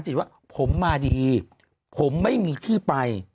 จิตว่าผมมาดีผมไม่มีที่ไป